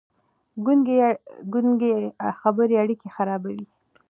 ګونګې خبرې اړيکې خرابوي.